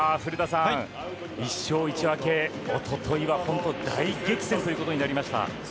古田さん、１勝１分けおとといは大激戦ということなりました。